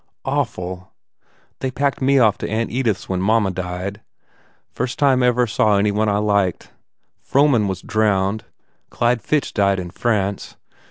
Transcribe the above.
"Awful. They packed me off to Aunt Edith s when mamma died. First time I ever saw any one I liked. ... Frohman was drowned. Clyde Fitch died in France.